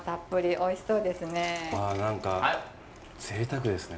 おいしそうですね。